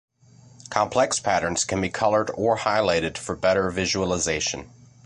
Complex patterns can be colored or highlighted for better visualization.